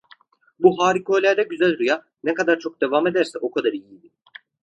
Bu harikulade güzel rüya ne kadar çok devam ederse o kadar iyiydi.